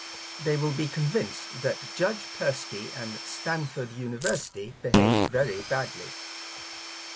They will be convinced that Judge Persky and Stanford University behaved very badly.